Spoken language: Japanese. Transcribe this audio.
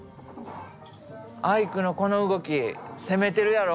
アイクのこの動き攻めてるやろ？